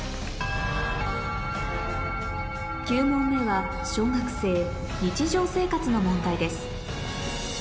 ９問目は小学生の問題です